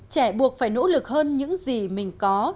trẻ buộc phải nỗ lực hơn những gì mình có